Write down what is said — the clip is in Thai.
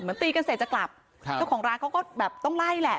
ตีกันเสร็จจะกลับครับเจ้าของร้านเขาก็แบบต้องไล่แหละ